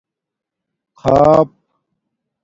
خاپ